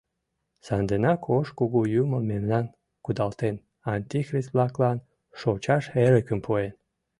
Санденак ош кугу юмо мемнам кудалтен, антихрист-влаклан шочаш эрыкым пуэн.